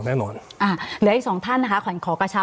อ่าเดี๋ยวอีกสองท่านนะคะขอขอกระชับ